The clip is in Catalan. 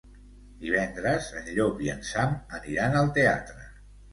Divendres en Llop i en Sam aniran al teatre.